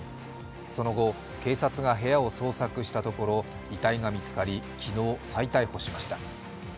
その後、警察が部屋を捜索したところ遺体が見つかり、昨日、再逮捕しました。